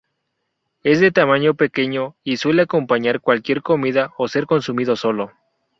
Es de tamaño pequeño y suele acompañar cualquier comida o ser consumido solo.